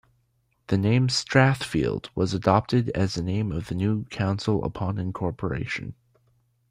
The name "Strathfield" was adopted as the name of the new council upon incorporation.